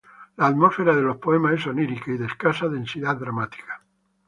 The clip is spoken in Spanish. La atmósfera de los poemas es onírica y de escasa densidad dramática.